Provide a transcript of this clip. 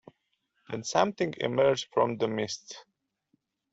Then something emerged from the mists.